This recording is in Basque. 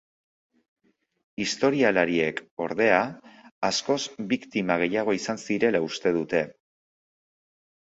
Historialariek, ordea, askoz biktima gehiago izan zirela uste dute.